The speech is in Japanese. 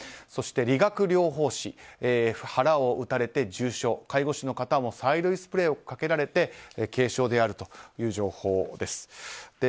そして、理学療法士腹を撃たれて重傷介護士の方も催涙スプレーをかけられて軽傷であるという情報です。